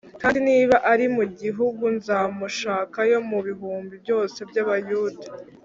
kandi niba ari mu gihugu nzamushakayo mu bihumbi byose by’Abayuda.